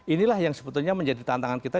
inilah yang sebetulnya menjadi tantangan kita